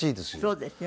そうですよ。